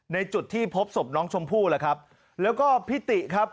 ในจุดที่พบศพน้องชมพู่ล่ะครับแล้วก็พี่ติครับ